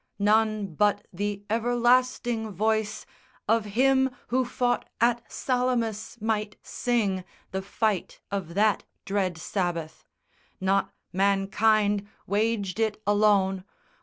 None but the everlasting voice Of him who fought at Salamis might sing The fight of that dread Sabbath. Not mankind Waged it alone.